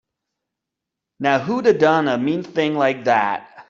Now who'da done a mean thing like that?